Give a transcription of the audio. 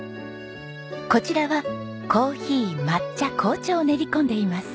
こちらはコーヒー抹茶紅茶を練り込んでいます。